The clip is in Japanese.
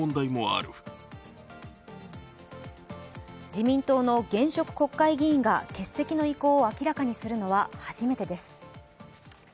自民党の現職国会議員が欠席の意向を明らかにするのは初めてです。